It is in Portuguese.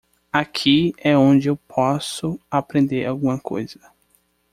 Aqui é onde eu posso aprender alguma coisa.